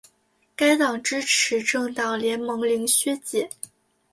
该党支持政党联盟零削减。